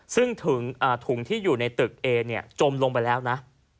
ซึ่งถุงที่อยู่ในตึกเอเนี่ยจมลงไปแล้วนะ